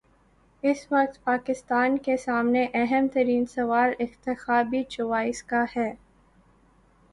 اس وقت پاکستان کے سامنے اہم ترین سوال انتخابی چوائس کا ہے۔